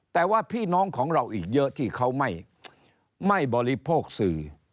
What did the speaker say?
แต่ว่าพี่น้องของเราอีกเยอะที่เขาไม่บริโภคสื่อ